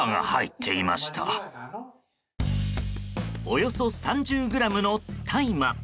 およそ３０ｇの大麻。